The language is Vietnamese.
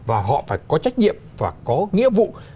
và họ phải có trách nhiệm và có nghĩa vụ